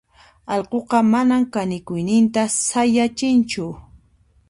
allquqa manan kanikuyninta sayachinchu.